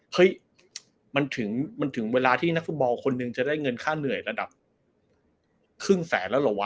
เฮ้ยมันถึงเวลาที่นักฟุตบอลคนหนึ่งจะได้เงินค่าเหนื่อยระดับครึ่งแสนแล้วเหรอวะ